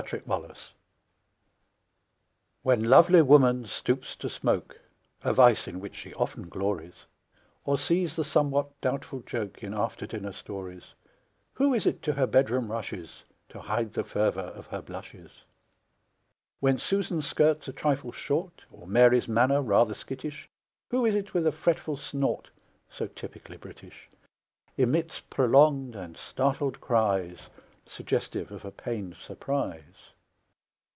Mrs. Grundy When lovely Woman stoops to smoke (A vice in which she often glories), Or sees the somewhat doubtful joke In after dinner stories, Who is it to her bedroom rushes To hide the fervor of her blushes? When Susan's skirt's a trifle short, Or Mary's manner rather skittish, Who is it, with a fretful snort (So typically British), Emits prolonged and startled cries, Suggestive of a pained surprise?